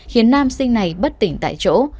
khiến nam sinh này bất tỉnh tại chỗ